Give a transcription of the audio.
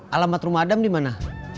alamat rumah adam di mana